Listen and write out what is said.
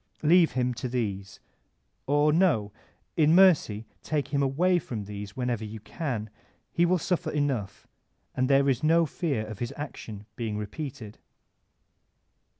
Leave him to these ; or no, in mercy take him away from these when ever you can ; he will suffer enough, and there is no fear of his action being repeated.